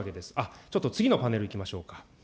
ちょっと次のパネルいきましょうか。